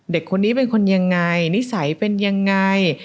เด็กคนนี้เป็นคนยังไงนิสัยเป็นยังไง